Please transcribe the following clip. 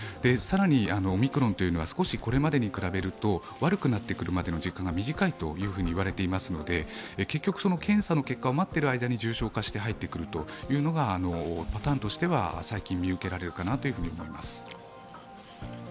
更にオミクロンというのは少しこれまでより悪くなってくる時間が短いと言われていますので結局検査の結果を待っている間に重症化して入ってくるというのがパターンとしては最近見受けられるかなと思います。